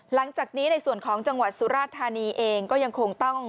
หลังจากนี้ในส่วนของจังหวัดสุราธานีเองก็ยังคงต้อง